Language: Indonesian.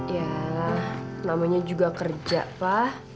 ya namanya juga kerja lah